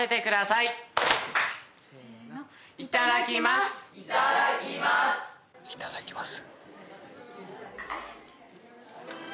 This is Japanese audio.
いただきます。